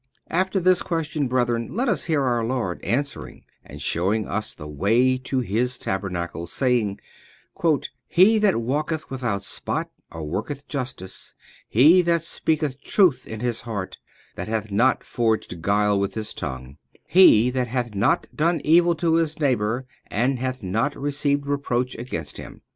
After this question, Brethren, let us hear our Lord answering and showing us the way to His tabernacle, saying: "He that walketh without 1 spot and worketh justice. He that speaketh truth in his heart, that hath not forged guile with his tongue. He that hath not forged guile with his tongue. He that hath not done evil to his neighbour and hath not received reproach against him."